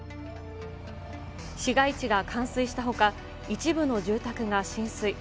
市街地が冠水したほか、一部の住宅が浸水。